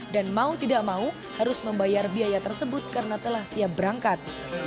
dan mau tidak mau harus membayar biaya tersebut karena telah siap berangkat